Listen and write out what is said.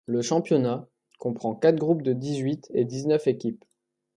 Le championnat comprend quatre groupes de dix-huit et dix-neuf équipes.